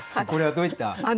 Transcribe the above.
これはどういった？